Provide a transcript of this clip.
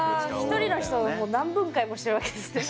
１人の人をもう何分解もしてるわけですね。